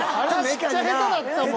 めっちゃ下手だったもん。